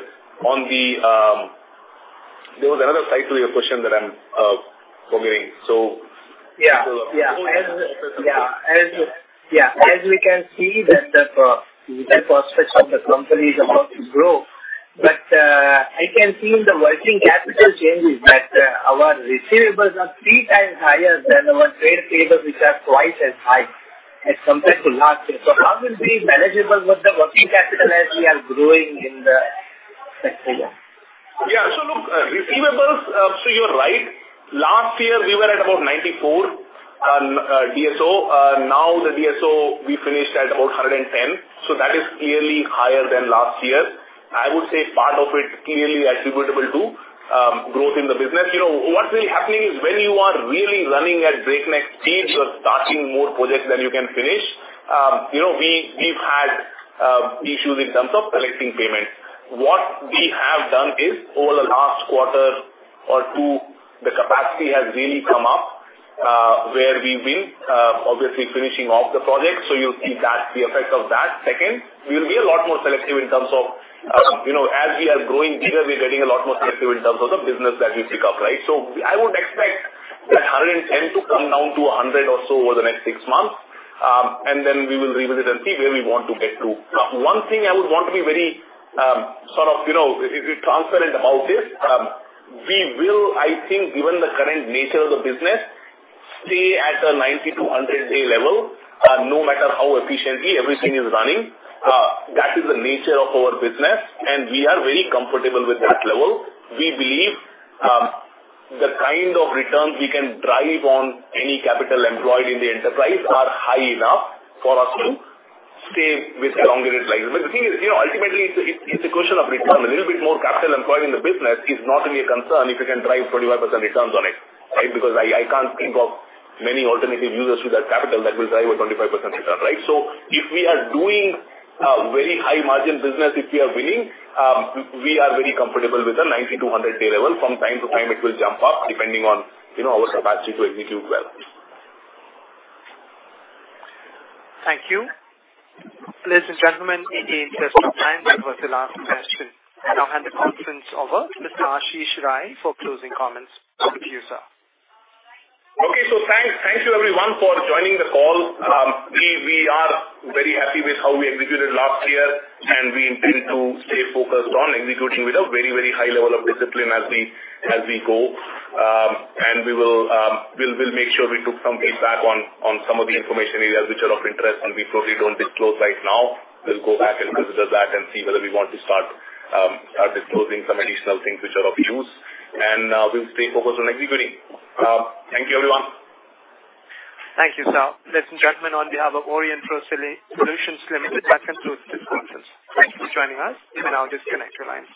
There was another side to your question that I'm forgetting. As we can see that the prospects of the company is about to grow. I can see in the working capital changes that our receivables are three times higher than our trade payables, which are twice as high as compared to last year. How will it be manageable with the working capital as we are growing in the sector there? Yeah. Look, receivables, so you're right. Last year we were at about 94 DSO. Now the DSO we finished at about 110, so that is clearly higher than last year. I would say part of it clearly attributable to growth in the business. You know, what's really happening is when you are really running at breakneck speeds or starting more projects than you can finish, you know, we've had issues in terms of collecting payments. What we have done is over the last quarter or two, the capacity has really come up, where we've been obviously finishing off the projects. You'll see that, the effect of that. Second, we'll be a lot more selective in terms of, you know, as we are growing bigger, we're getting a lot more selective in terms of the business that we pick up, right? I would expect the 110 to come down to 100 or so over the next six months, and then we will revisit and see where we want to get to. One thing I would want to be very, sort of, you know, transparent about is, we will, I think, given the current nature of the business, stay at a 90-100-day level, no matter how efficiently everything is running. That is the nature of our business, and we are very comfortable with that level. We believe, the kind of returns we can drive on any capital employed in the enterprise are high enough for us to stay with longer lead times. The thing is, you know, ultimately it's a question of return. A little bit more capital employed in the business is not really a concern if you can drive 25% returns on it, right? Because I can't think of many alternative uses for that capital that will drive a 25% return, right? If we are doing a very high margin business, if we are winning, we are very comfortable with the 90-100-day level. From time to time it will jump up depending on, you know, our capacity to execute well. Thank you. Ladies and gentlemen, in the interest of time, that was the last question. I now hand the conference over to Ashish Rai for closing comments. Over to you, sir. Thanks, thank you everyone for joining the call. We are very happy with how we executed last year, and we intend to stay focused on executing with a very, very high level of discipline as we go. We will, we'll make sure we took some feedback on some of the information areas which are of interest and we probably don't disclose right now. We'll go back and visit that and see whether we want to start disclosing some additional things which are of use. We'll stay focused on executing. Thank you, everyone. Thank you, sir. Ladies and gentlemen, on behalf of Aurionpro Solutions Limited, I conclude this conference. Thank you for joining us. You may now disconnect your lines.